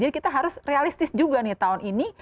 jadi kita harus realistis juga nih tahun ini